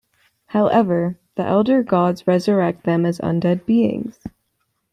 However, the Elder Gods resurrect them as undead beings.